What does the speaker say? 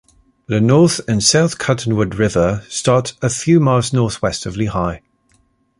The North and South Cottonwood River start a few miles northwest of Lehigh.